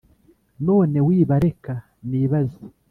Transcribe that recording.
None wibareka, nibaze: